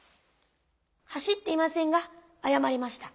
走っていませんがあやまりました。